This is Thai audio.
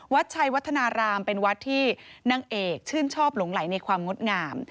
วัดชัยวัฒนารามเป็นวัดที่นางเอกชื่นชอบหลงไหลในความงดงาม